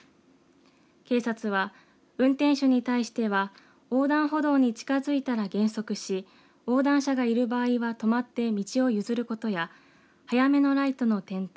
警察は、運転手に対しては横断歩道に近づいたら減速し横断者がいる場合は止まって道を譲ることや早めのライトの点灯。